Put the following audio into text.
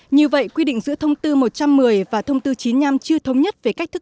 như vậy quy định giữa thông tư một trăm một mươi và thông tư chín mươi năm chưa thống nhất